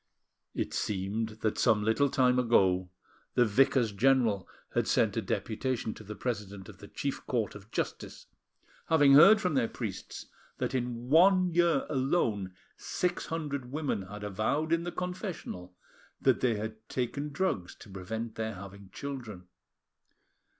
It seemed that some little time ago, the Vicars General had sent a deputation to the president of the chief court of justice, having heard from their priests that in one year alone six hundred women had avowed in the confessional that they had taken drugs to prevent their having children.